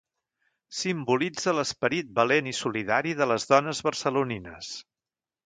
Simbolitza l'esperit valent i solidari de les dones barcelonines.